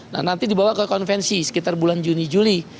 nah nanti dibawa ke konvensi sekitar bulan juni juli